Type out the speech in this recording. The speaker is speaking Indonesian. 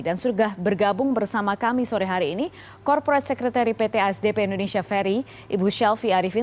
dan sudah bergabung bersama kami sore hari ini corporate secretary pt asdp indonesia ferry ibu shelfie arifin